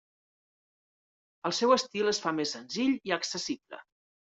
El seu estil es fa més senzill i accessible.